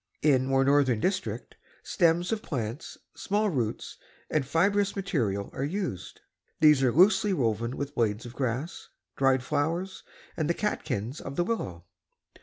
In more northern district, stems of plants, small roots and fibrous materials are used. These are loosely woven with blades of grass, dry flowers and the catkins of the willow.